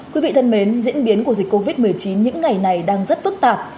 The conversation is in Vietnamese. quý vị thân mến diễn biến của dịch covid một mươi chín những ngày này đang rất phức tạp